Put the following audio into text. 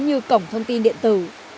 như cổng thông tin điện tử